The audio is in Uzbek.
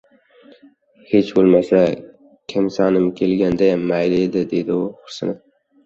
— Hech bo‘lmasa, Kimsanim kelgandayam mayli edi, — dedi u xo‘rsinib.